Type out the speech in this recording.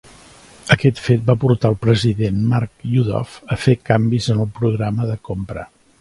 Aquest fet va portar al president Mark Yudof a fer canvis en el programa de compra.